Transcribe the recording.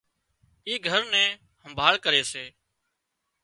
اي گھر نين همڀاۯ ڪري سي